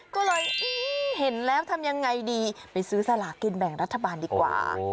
ก็เลยเห็นแล้วทำยังไงดีไปซื้อสลากินแบ่งรัฐบาลดีกว่า